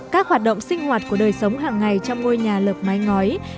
các hoạt động sinh hoạt của đời sống hàng ngày trong ngôi nhà lợp mái ngói